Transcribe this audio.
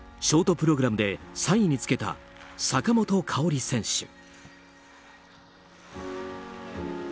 ショートプログラムで３位につけた坂本花織選手。